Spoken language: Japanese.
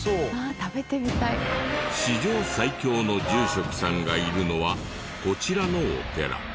史上最強の住職さんがいるのはこちらのお寺。